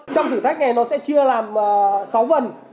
trong thử thách này nó sẽ chia làm sáu phần